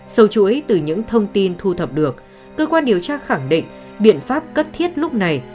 sâu chuỗi từ những thông tin thu thập được cơ quan điều tra khẳng định biện pháp cấp thiết lúc này